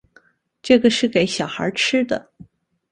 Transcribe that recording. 这个是给小孩吃的